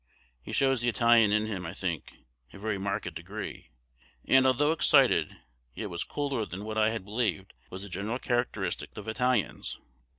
He shows the Italian in, I think, a very marked degree; and, although excited, yet was cooler than what I had believed was the general characteristic of Italians.